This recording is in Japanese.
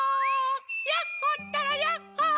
ヤッホったらヤッホー！